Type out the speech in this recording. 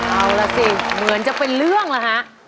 เอาล่ะสิเหมือนจะเป็นเรื่องล่ะฮะ